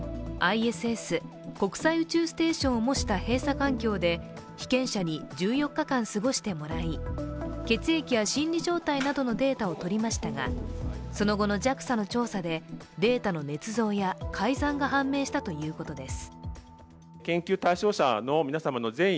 ＩＳＳ＝国際宇宙ステーションを模した閉鎖環境で被験者に１４日間過ごしてもらい、血液や心理状態などのデータをとりましたがその後のＪＡＸＡの調査でデータのねつ造や改ざんが判明したということです。